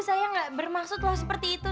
saya gak bermaksud loh seperti itu